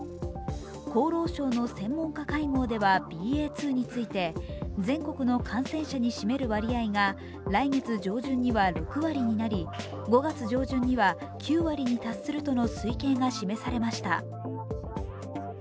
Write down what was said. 厚労省の専門家会合ではＢＡ．２について全国の感染者に占める割合が来月上旬には６割になり５月上旬には９割に達するとの推計が示されました。